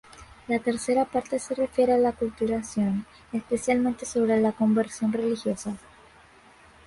La tercera parte se refiere a la aculturación, especialmente sobre la conversión religiosa.